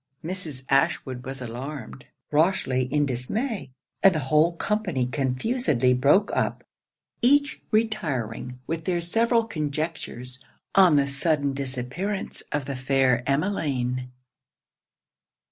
Mrs. Ashwood was alarmed Rochely in dismay and the whole company confusedly broke up; each retiring with their several conjectures on the sudden disappearance of the fair Emmeline.